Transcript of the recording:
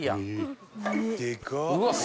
うわっ！